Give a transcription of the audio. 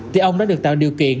thì ông đã được tạo điều kiện